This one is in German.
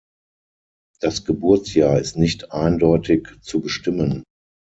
Das Geburtsjahr ist nicht eindeutig zu bestimmen.